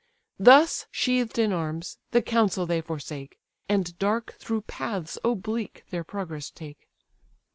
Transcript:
Thus sheathed in arms, the council they forsake, And dark through paths oblique their progress take.